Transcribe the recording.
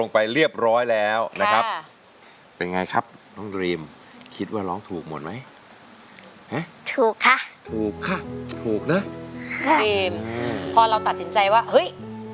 พอเราตัดสินใจว่าเฮ้ย